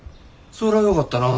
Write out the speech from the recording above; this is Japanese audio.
そらよかったな。